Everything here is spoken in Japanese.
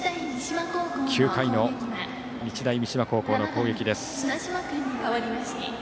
９回の日大三島高校の攻撃です。